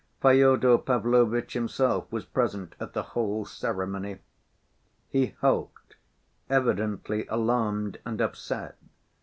Fyodor Pavlovitch himself was present at the whole ceremony. He helped, evidently alarmed and upset.